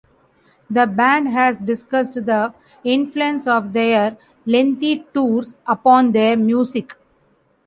The band has discussed the influence of their lengthy tours upon their music.